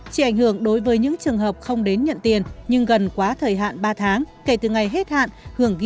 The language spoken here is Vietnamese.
chỉ ảnh hưởng đối với những trường hợp không đến nhận tiền nhưng gần quá thời hạn ba tháng kể từ ngày hết hạn